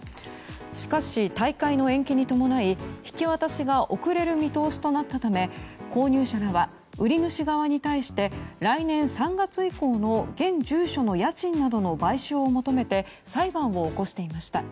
しかし、大会の延期に伴い引き渡しが遅れる見通しとなったため購入者らは売主側に対して来年３月以降の現住所の家賃などの賠償を求めて裁判を起こしていました。